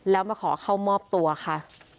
แล้วมาขอเข้ามอบตัวค่ะ